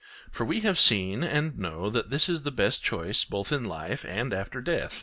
For we have seen and know that this is the best choice both in life and after death.